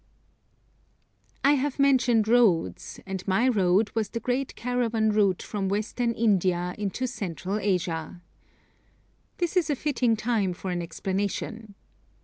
I have mentioned roads, and my road as the great caravan route from Western India into Central Asia. This is a fitting time for an explanation.